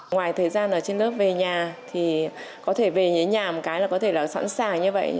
ngoài thời gian ở trên lớp về nhà thì có thể về nhà một cái là có thể là sẵn sàng như vậy